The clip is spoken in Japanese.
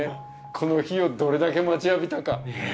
この日をどれだけ待ちわびたか。